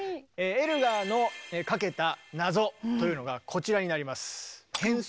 エルガーのかけた謎というのがこちらになります。